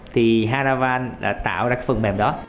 thì haravan là tạo ra cái phần mềm đó